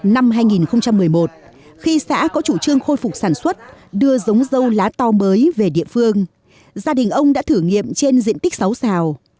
năm hai nghìn một mươi một khi xã có chủ trương khôi phục sản xuất đưa giống dâu lá to mới về địa phương gia đình ông đã thử nghiệm trên diện tích sáu sao